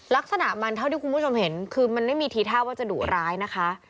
ลักษณะมันเท่าที่คุณผู้ชมเห็นคือมันไม่มีทีท่าว่าจะดุร้ายนะคะ